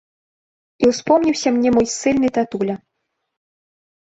І ўспомніўся мне мой ссыльны татуля.